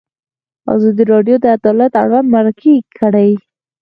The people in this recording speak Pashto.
ازادي راډیو د عدالت اړوند مرکې کړي.